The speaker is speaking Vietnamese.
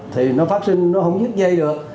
thì nó phát sinh nó không dứt dây được